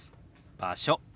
「場所」。